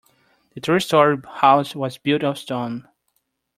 The three story house was built of stone.